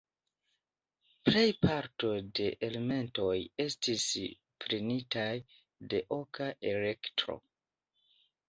Plejparto de elementoj estis prenitaj de Oka Elektro.